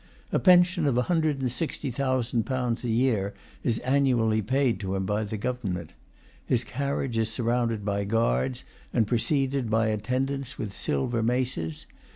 A pension of a hundred and sixty thousand pounds a year is annually paid to him by the government. His carriage is surrounded by guards, and preceded by attendants with silver maces.